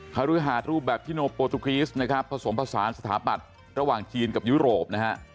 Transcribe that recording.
ฮฤหาสรูปแบบชิโนโปรตุครีสนะครับผสมผสานสถาปัตย์ระหว่างจีนกับยุโรปนะฮะ